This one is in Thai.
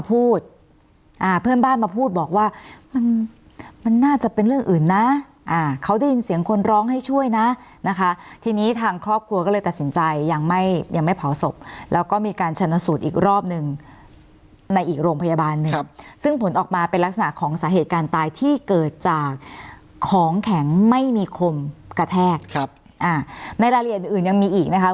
พูดอ่าเพื่อนบ้านมาพูดบอกว่ามันมันน่าจะเป็นเรื่องอื่นนะอ่าเขาได้ยินเสียงคนร้องให้ช่วยนะนะคะทีนี้ทางครอบครัวก็เลยตัดสินใจยังไม่ยังไม่เผาศพแล้วก็มีการชนสูตรอีกรอบหนึ่งในอีกโรงพยาบาลหนึ่งซึ่งผลออกมาเป็นลักษณะของสาเหตุการณ์ตายที่เกิดจากของแข็งไม่มีคมกระแทกครับอ่าในรายละเอียดอื่นอื่นยังมีอีกนะคะ